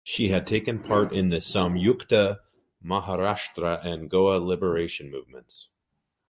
She had taken part in the Samyukta Maharashtra and Goa Liberation movements.